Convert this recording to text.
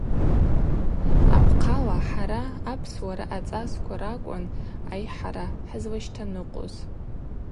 Апхъала хӏара Апсуара ацӏасква ракӏвын айхӏара хӏызлащтаныкъвуз.